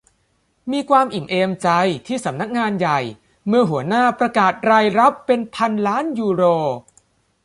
มีความอิ่มเอมใจที่สำนักงานใหญ่เมื่อหัวหน้าประกาศรายรับเป็นพันล้านยูโร